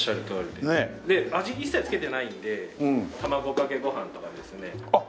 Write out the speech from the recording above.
で味一切付けてないので卵かけご飯とかですね。あっそうか。